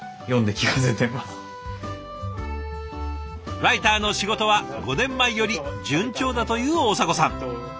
ライターの仕事は５年前より順調だという大迫さん。